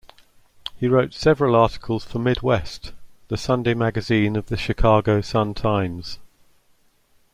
He wrote several articles for "Midwest", the Sunday magazine of the "Chicago Sun-Times".